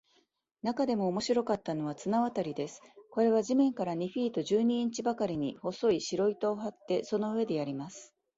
なかでも面白かったのは、綱渡りです。これは地面から二フィート十二インチばかりに、細い白糸を張って、その上でやります。